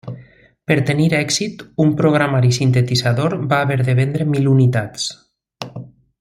Per tenir èxit, un programari sintetitzador va haver de vendre mil unitats.